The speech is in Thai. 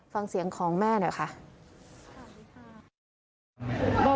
ฟังเสียงของแม่หน่อยค่ะสวัสดีค่ะ